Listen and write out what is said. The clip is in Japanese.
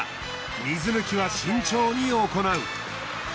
水抜きは慎重に行う。